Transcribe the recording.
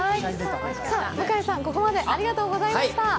向井さん、ここまでありがとうございました。